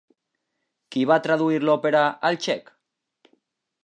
Qui va traduir l'òpera al txec?